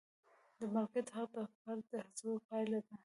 د مالکیت حق د فرد د هڅو پایله ده.